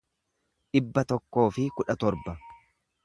dhibba tokkoo fi kudha torba